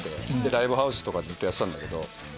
ライブハウスとかでずっとやってたんだけど。